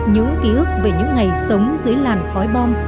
những ký ức về những ngày sống dưới làn khói bom